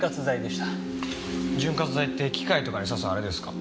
潤滑剤って機械とかに差すあれですか？